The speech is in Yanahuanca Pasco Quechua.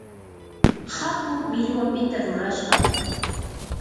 hakuu millwapita rurashqam.